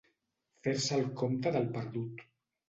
Fer-se el compte del perdut.